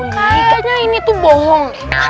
kayaknya ini tuh bohong